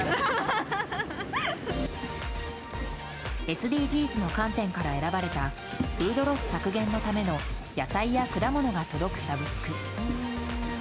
ＳＤＧｓの観点から選ばれたフードロス削減のための野菜や果物が届くサブスク。